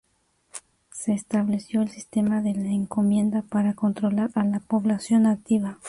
Se estableció el sistema de la encomienda, para controlar a la población nativa.